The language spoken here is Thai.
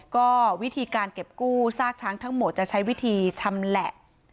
ก็วิธีการเก็บกู้ซากช้างทั้งหมดจะใช้วิธีชำแหละ